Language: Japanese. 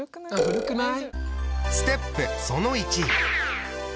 古くない？